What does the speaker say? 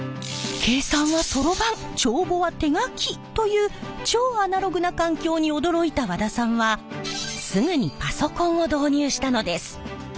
計算はソロバン帳簿は手書きという超アナログな環境に驚いた和田さんはすぐにパソコンを導入したのです。